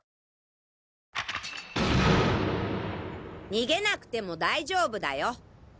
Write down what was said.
逃げなくても大丈夫だよ。